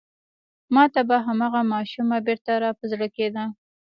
ما ته به هماغه ماشومه بېرته را په زړه کېده.